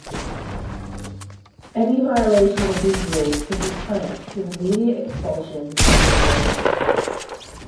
Any violation of these rules could be punished with immediate expulsion from the order.